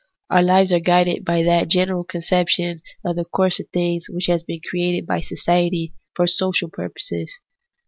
Our lives are guided by that general conception of the course of things which has been created by society for social purposes.